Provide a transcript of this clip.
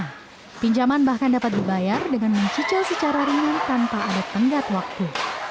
pinjaman bahkan dapat dibayar dengan mencicil secara real tanpa ada tenggat waktu